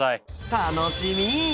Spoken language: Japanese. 楽しみ！